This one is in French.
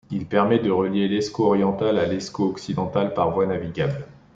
Il permet de relier l'Escaut oriental à l'Escaut occidental par voie navigable.